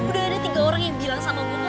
udah ada tiga orang yang bilang sama putri